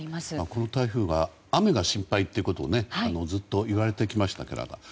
この台風は雨が心配ということがずっと言われてきましたから。